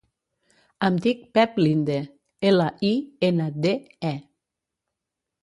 Em dic Pep Linde: ela, i, ena, de, e.